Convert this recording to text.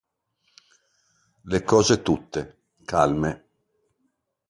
Le cose tutte, calme.